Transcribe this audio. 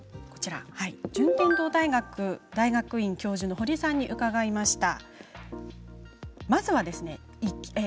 順天堂大学大学院教授の堀さんに伺いました。